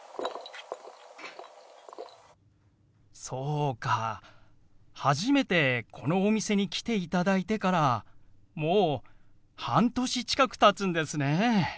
そうか初めてこのお店に来ていただいてからもう半年近くたつんですね。